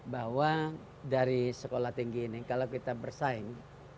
bahwa dari sekolah tinggi ini kalau kita bersaing